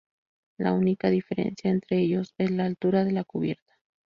La única diferencia entre ellos es la altura de la cubierta.